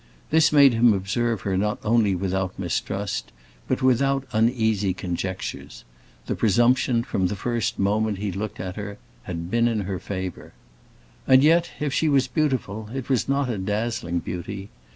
This made him observe her not only without mistrust, but without uneasy conjectures; the presumption, from the first moment he looked at her, had been in her favor. And yet, if she was beautiful, it was not a dazzling beauty.